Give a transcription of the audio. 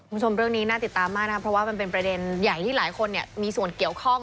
คุณผู้ชมเรื่องนี้น่าติดตามมากนะครับเพราะว่ามันเป็นประเด็นใหญ่ที่หลายคนมีส่วนเกี่ยวข้อง